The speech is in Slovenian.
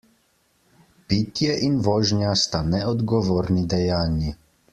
Pitje in vožnja sta neodgovorni dejanji.